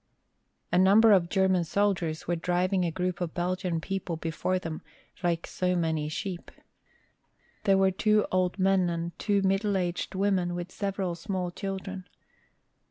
A number of German soldiers were driving a group of Belgian people before them like so many sheep. There were two old men and two middle aged women with several small children.